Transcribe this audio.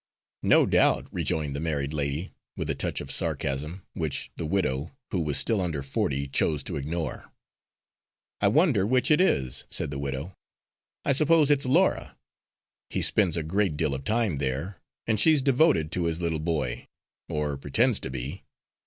"No doubt," rejoined the married lady, with a touch of sarcasm, which the widow, who was still under forty, chose to ignore. "I wonder which is it?" said the widow. "I suppose it's Laura; he spends a great deal of time there, and she's devoted to his little boy, or pretends to be."